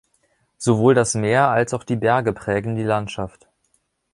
Sowohl das Meer als auch die Berge prägen die Landschaft.